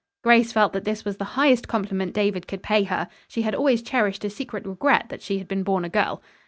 Grace felt that this was the highest compliment David could pay her. She had always cherished a secret regret that she had been born a girl.